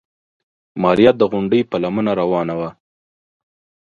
ماريا د غونډۍ په لمنه روانه وه.